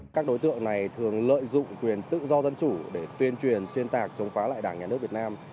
các đối tượng này thường lợi dụng quyền tự do dân chủ để tuyên truyền xuyên tạc chống phá lại đảng nhà nước việt nam